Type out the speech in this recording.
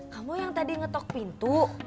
kamu yang tadi ngetok pintu